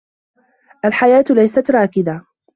الحياة ليست راكدة.